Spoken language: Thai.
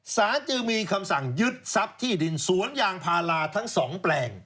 สารจึงมีคำสั่งยึดทรัพย์ที่ดินสวนยางพาราทั้งสองแปลง